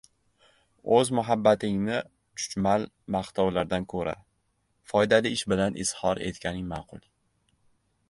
O‘z muhabbatingni chuchmal maqtovlardan ko‘ra, foydali ish bilan izhor etganing ma’qul.